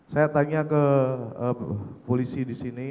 saya tanya ke polisi di sini